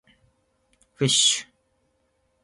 fish